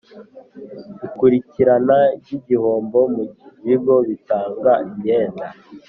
Ikurikirana ry igihombo mu bigo bitanga imyenda